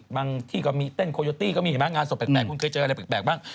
ที่ก็มีเต้นโคโยตี้ก็มีเห็นไหมงานศพแปลกคุณเคยเจออะไรแปลกบ้าง